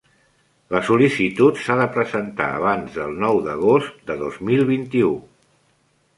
La sol·licitud s'ha de presentar abans del nou d'agost de dos mil vint-i-u.